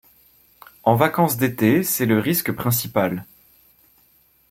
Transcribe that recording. Et en vacances d'été, c'est le risque principal.